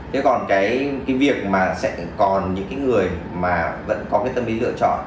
thế còn cái việc mà sẽ còn những cái người mà vẫn có cái tâm lý lựa chọn